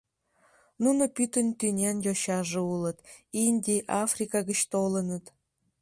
нуно пӱтынь тӱнян йочаже улыт: Индий, Африка гыч толыныт.